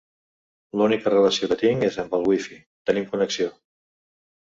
L'única relació que tinc és amb el Wifi. Tenim connexió.